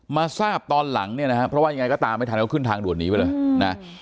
มาทราบตอนหลังเนี่ยนะฮะเพราะว่ายังไงก็ตามไม่ทันเขาขึ้นทางด่วนหนีไปเลยนะ